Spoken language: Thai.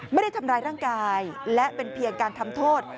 ไม่ได้ทำร้ายร่างกายและเป็นเพียงการทำโทษ